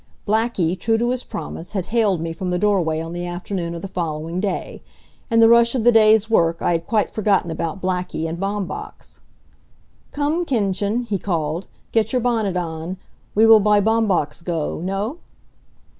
Blackie, true to his promise, had hailed me from the doorway on the afternoon of the following day. In the rush of the day's work I had quite forgotten about Blackie and Baumbach's. "Come, Kindchen!" he called. "Get your bonnet on. We will by Baumbach's go, no?"